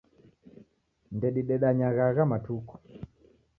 Ndedidedanyagha agha matuku